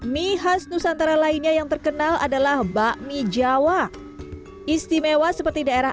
nih khas nusantara lainnya yang terkenal adalah bac mie jawa istimewa seperti daerah